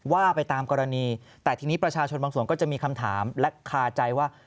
ว่าไปตามกรณีแต่ทีนี้ประชาชนบางส่วนก็จะมีคำถามและคาใจว่า